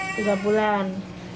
usianya tiga bulan